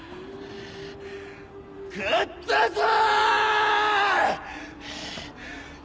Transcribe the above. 勝ったぞ！